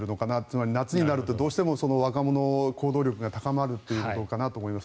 つまり夏になると若者の行動力が高まるということだと思います。